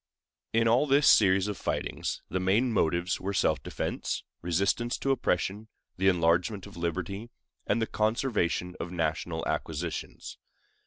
In all this series of fightings the main motives were self defense, resistance to oppression, the enlargement of liberty, and the conservation of national acquisitions.